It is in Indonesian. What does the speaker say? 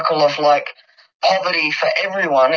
kira kira kekurangan untuk semua orang